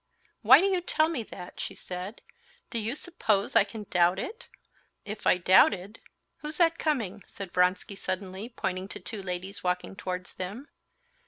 "Why do you tell me that?" she said. "Do you suppose I can doubt it? If I doubted...." "Who's that coming?" said Vronsky suddenly, pointing to two ladies walking towards them.